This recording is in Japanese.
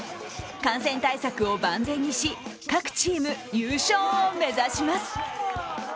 感染対策を万全にし各チーム優勝を目指します。